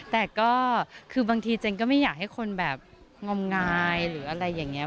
แต่ก็คือบางทีเจนก็ไม่อยากให้คนแบบงมงายหรืออะไรอย่างนี้